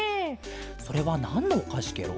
それはなんのおかしケロ？